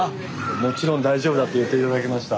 もちろん大丈夫だって言って頂けました。